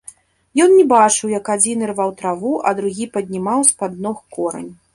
Ён не бачыў, як адзін ірваў траву, а другі паднімаў з-пад ног корань.